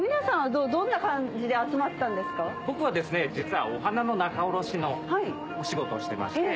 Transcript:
僕は実はお花の仲卸のお仕事をしてまして。